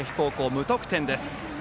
無得点です。